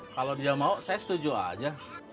kalau dia mau saya setuju aja